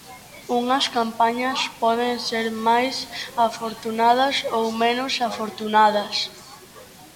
Unhas campañas poden ser máis afortunadas ou menos afortunadas.